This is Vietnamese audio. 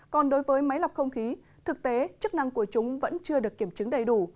còn đối với máy lọc không khí thực tế chức năng của chúng vẫn chưa được kiểm chứng đầy đủ